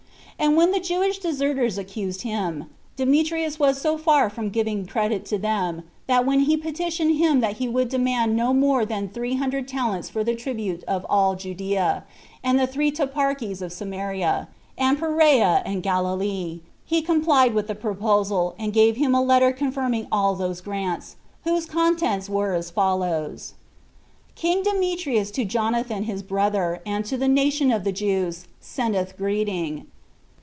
And when the Jewish deserters accused him, Demetrius was so far from giving credit to them, that when he petitioned him that he would demand no more than three hundred talents for the tribute of all Judea, and the three toparchies of Samaria, and Perea, and Galilee, he complied with the proposal, and gave him a letter confirming all those grants; whose contents were as follows: "King Demetrius to Jonathan his brother, and to the nation of the Jews, sendeth greeting.